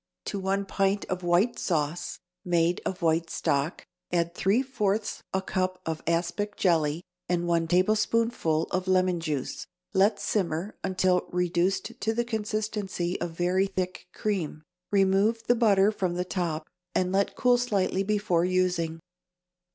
_) To one pint of white sauce, made of white stock, add three fourths a cup of aspic jelly and one tablespoonful of lemon juice; let simmer until reduced to the consistency of very thick cream; remove the butter from the top and let cool slightly before using.